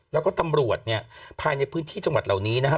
แล้วก็ตำรวจเนี่ยภายในพื้นที่จังหวัดเหล่านี้นะฮะ